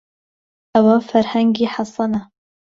ئەوە فەرهەنگی حەسەنە.